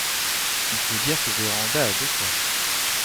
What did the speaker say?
Il faut dire que Vérand’a a de quoi.